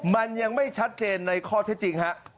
มันยังไม่ชัดเจนในข้อเท็จจริงฮะ